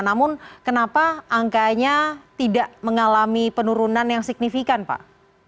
namun kenapa angkanya tidak mengalami penurunan yang signifikan pak